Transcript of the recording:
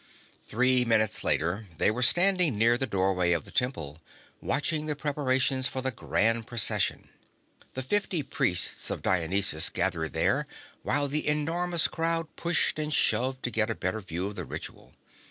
Three minutes later, they were standing near the doorway of the Temple, watching the preparations for the Grand Procession. The fifty priests of Dionysus gathered there while the enormous crowd pushed and shoved to get a better view of the ritual.